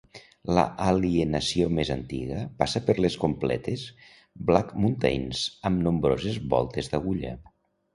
La alienació més antiga passa per les completes Black Mountains amb nombroses voltes d'agulla.